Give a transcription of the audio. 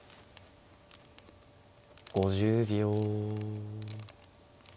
５０秒。